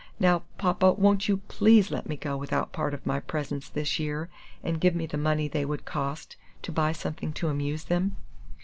Now, Papa, won't you PLEASE let me go without part of my presents this year, and give me the money they would cost, to buy something to amuse them?"